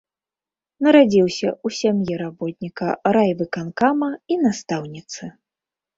Нарадзіўся ў сям'і работніка райвыканкама і настаўніцы.